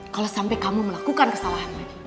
kalau sampai kamu melakukan kesalahan lagi